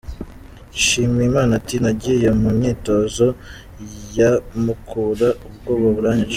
Nshimiyimana ati "Nagiye mu myitozo ya Mukura ubwoba buranyica.